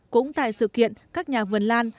cũng tại sự kiện các nhà vườn lan